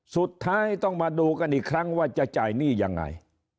สุดท้ายต้องมาดูกันอีกครั้งว่าจะจ่ายหนี้ยังไง